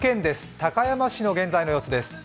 高山市の現在の様子です。